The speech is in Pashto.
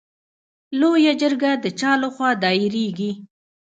لویه جرګه د چا له خوا دایریږي؟